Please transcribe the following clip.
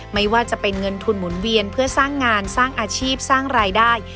ไม่ว่าจะเป็นเงินทุนหมุนเวียนเพื่อสร้างงานสร้างอาชีพสร้างรายได้